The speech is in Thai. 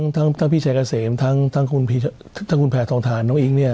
ทั้งพี่ชายเกษมทั้งคุณแพทองทานน้องอิ๊งเนี่ย